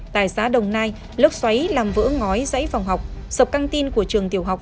tại xã đồng nai lớp xoáy làm vỡ ngói giấy phòng học sập căng tin của trường tiểu học